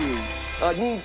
あっ人気？